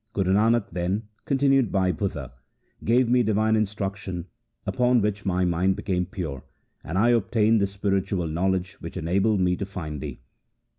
' Guru Nanak then', continued Bhai Budha, 'gave me divine instruction, upon which my mind became pure, and I obtained the spiritual knowledge which enabled me to find thee.'